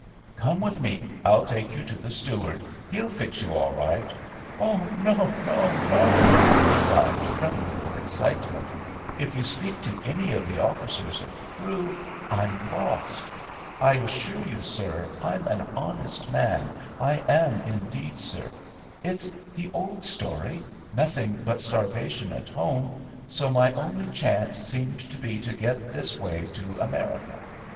"Come with me. I'll take you to the steward, he'll fix you all right." "Oh, no, no, no," he cried, trembling with excitement. "If you speak to any of the officers or crew I'm lost. I assure you, sir, I'm an honest man, I am indeed, sir. It's the old story—nothing but starvation at home, so my only chance seemed to be to get this way to America.